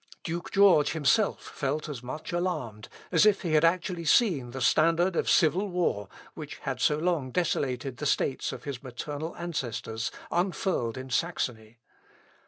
Duke George himself felt as much alarmed, as if he had actually seen the standard of civil war, which had so long desolated the states of his maternal ancestors, unfurled in Saxony.